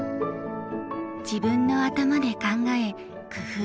自分の頭で考え工夫する。